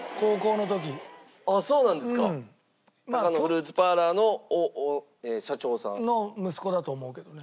タカノフルーツパーラーの社長さん？の息子だと思うけどね。